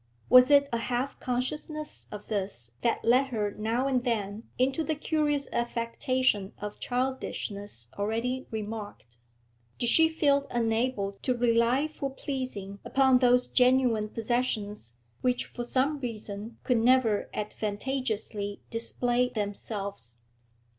Was it a half consciousness of this that led her now and then into the curious affectation of childishness already remarked? Did she feel unable to rely for pleasing upon those genuine possessions which for sonic reason could never advantageously display themselves?....